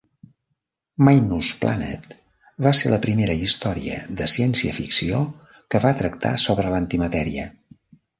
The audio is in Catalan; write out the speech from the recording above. "Minus Planet" va ser la primera història de ciència-ficció que va tractar sobre l'antimatèria.